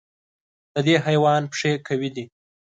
د دې حیوان پښې قوي دي.